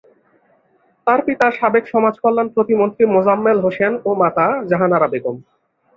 তার পিতা সাবেক সমাজকল্যাণ প্রতিমন্ত্রী মোজাম্মেল হোসেন ও মাতা জাহানারা বেগম।